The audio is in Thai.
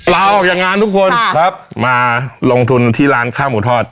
ออกจากงานทุกคนครับมาลงทุนที่ร้านข้าวหมูทอด